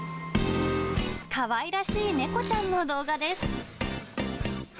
かわいらしい猫ちゃんの動画です。